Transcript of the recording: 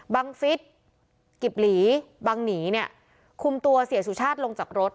บังฟิศกิบหลีบังหนีเนี่ยคุมตัวเสียสุชาติลงจากรถ